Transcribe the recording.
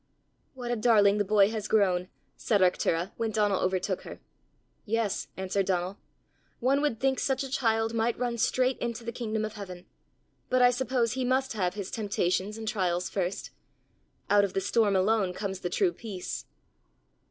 "What a darling the boy has grown!" said Arctura when Donal overtook her. "Yes," answered Donal; "one would think such a child might run straight into the kingdom of heaven; but I suppose he must have his temptations and trials first: out of the storm alone comes the true peace."